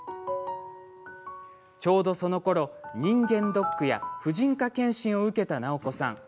ちょうど、そのころ人間ドックや婦人科健診を受けた直子さん。